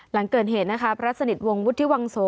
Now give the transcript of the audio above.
หลังเกิดเหตุนะคะพระสนิทวงศวุฒิวังโส